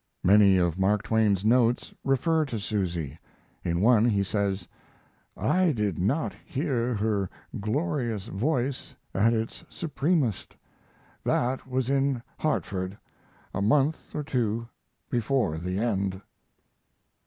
Many of Mark Twain's notes refer to Susy. In one he says: "I did not hear her glorious voice at its supremest that was in Hartford a month or two before the end."